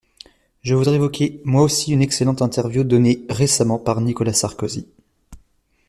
Je voudrais évoquer moi aussi une excellente interview donnée récemment par Nicolas Sarkozy.